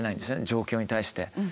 状況に対して。